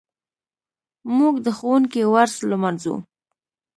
موږ د ښوونکي ورځ لمانځو.